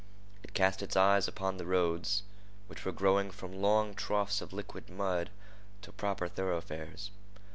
It cast its eyes upon the roads, which were growing from long troughs of liquid mud to proper thoroughfares.